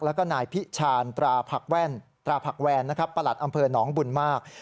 แล้วก็นายพิชาญตราผักแวนประหลัดอำเภอนองค์บุญมาก